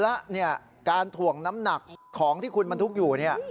แล้วเนี่ยการถ่วงน้ำหนักของที่คุณบรรทุกอยู่เนี่ย